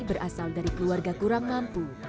berasal dari keluarga kurang mampu